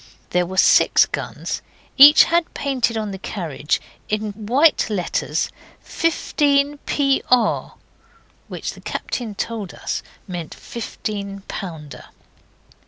There were six guns. Each had painted on the carriage, in white letters, 15 Pr., which the captain told us meant fifteen pounder.